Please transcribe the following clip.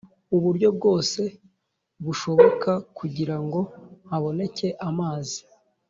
uburyo bwose bushoboka kugira ngo haboneke amazi